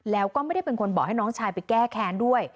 แล้วก็ไม่ได้เป็นคนบอกให้น้องชายไปแก้แค้นด้วย